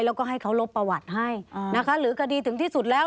แล้วก็ให้เขาลบประวัติให้นะคะหรือคดีถึงที่สุดแล้ว